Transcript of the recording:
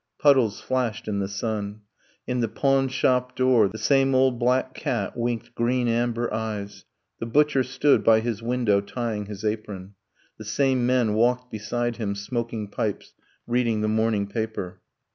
Puddles flashed in the sun. In the pawn shop door The same old black cat winked green amber eyes; The butcher stood by his window tying his apron; The same men walked beside him, smoking pipes, Reading the morning paper